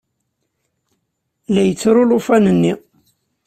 La yettru ulufan-nni.